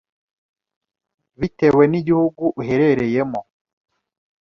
bitewe n'igihugu uherereyemo